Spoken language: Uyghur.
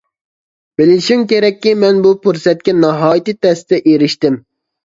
بىلىشىڭ كېرەككى، مەن بۇ پۇرسەتكە ناھايىتى تەستە ئېرىشتىم.